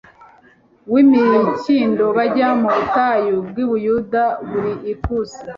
w imikindo bajya mu butayu bw i buyuda buri ikusi